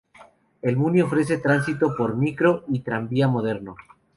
El Muni ofrece tránsito por micro y tranvía moderno.